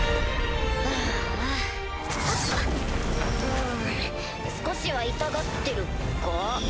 うん少しは痛がってるか？